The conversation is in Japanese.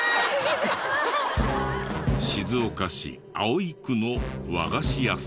静岡市葵区の和菓子屋さん。